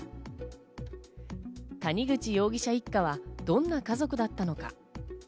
谷口容疑者一家はどんな家族だったのか。